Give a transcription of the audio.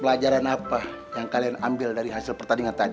pelajaran apa yang kalian ambil dari hasil pertandingan tadi